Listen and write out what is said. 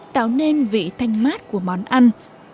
tạo nên vị thanh mát của món ăn